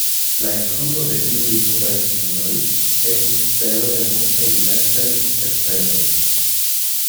La inkludo de tiuj nudaj figuroj estis celo de multaj diversaj interpretoj.